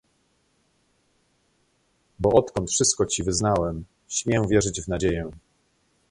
"bo odkąd wszystko ci wyznałem, śmiem wierzyć w nadzieję."